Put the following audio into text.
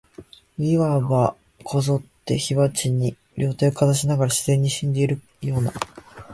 謂わば、坐って火鉢に両手をかざしながら、自然に死んでいるような、